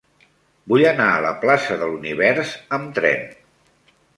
Vull anar a la plaça de l'Univers amb tren.